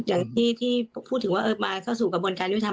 อย่างที่พูดถึงว่ามาเข้าสู่กระบวนการยุทธรรม